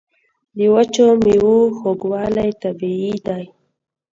د وچو میوو خوږوالی طبیعي دی.